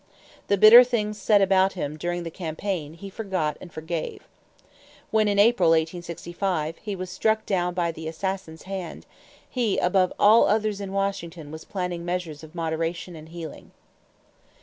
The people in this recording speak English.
The bitter things said about him during the campaign, he forgot and forgave. When in April, 1865, he was struck down by the assassin's hand, he above all others in Washington was planning measures of moderation and healing.